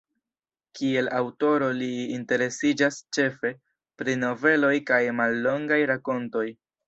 Kiel aŭtoro li interesiĝas ĉefe pri noveloj kaj mallongaj rakontoj.